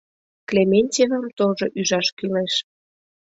Клементьевам тожо ӱжаш кӱлеш.